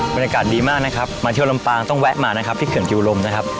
บรรยากาศดีมากนะครับมาเที่ยวลำปางต้องแวะมานะครับที่เขื่อนกิวลมนะครับ